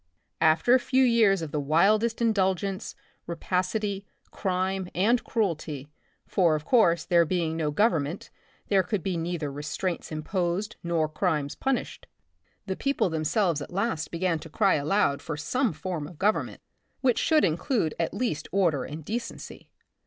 After a few years of the wildest indulgence, rapacity, crime, and cruelty — for, of course, there being no government, there could be neither restraints imposed nor crimes punished — the people themselves at last began to cry aloud for some form of government which should include at least order and decency.